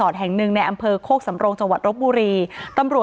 อ๋อเจ้าสีสุข่าวของสิ้นพอได้ด้วย